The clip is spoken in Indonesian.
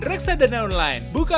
aku sampai senang saja